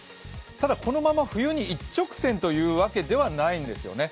ただ、このまま冬に一直線というわけではないんですよね。